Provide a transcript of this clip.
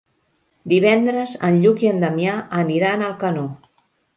Divendres en Lluc i en Damià aniran a Alcanó.